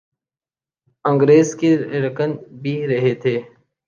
ingress کے رکن بھی رہے تھے